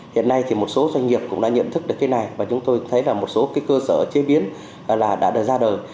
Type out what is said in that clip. hiện nay thì một số doanh nghiệp cũng đã nhận thức được cái này và chúng tôi thấy là một số cái cơ sở chế biến đã ra đời